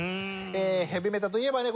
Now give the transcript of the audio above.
ヘヴィメタといえばね